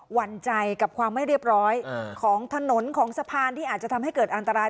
หั่นใจกับความไม่เรียบร้อยของถนนของสะพานที่อาจจะทำให้เกิดอันตราย